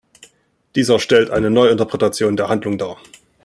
Dieser stellt eine Neuinterpretation der Handlung dar.